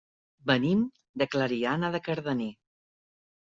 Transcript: Venim de Clariana de Cardener.